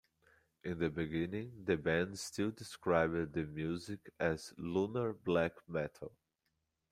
In the beginning, the band still described their music as a "Lunar Black Metal".